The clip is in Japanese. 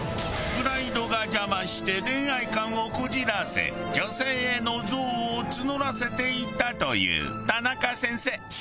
プライドが邪魔して恋愛観をこじらせ女性への憎悪を募らせていったという田中先生。